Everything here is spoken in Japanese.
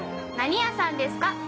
何屋さんですか？